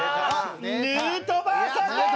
ヌートバーさんです！